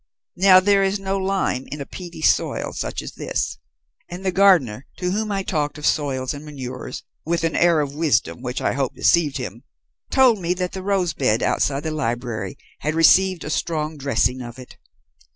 Now there is no lime in a peaty soil such as this, and the gardener, to whom I talked of soils and manures, with an air of wisdom which I hope deceived him, told me that the rose bed outside the library had received a strong dressing of it.